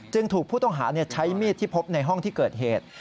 ถูกผู้ต้องหาใช้มีดที่พบในห้องที่เกิดเหตุ